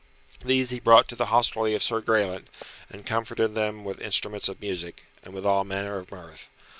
These he brought to the hostelry of Sir Graelent, and comforted them with instruments of music, and with all manner of mirth.